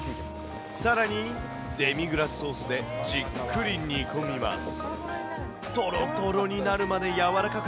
さらに、デミグラスソースでじっくり煮込みます。